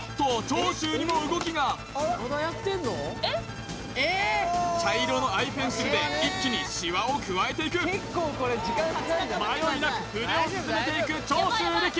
長州にも動きが茶色のアイペンシルで一気にシワを加えていく迷いなく筆を進めていく長州力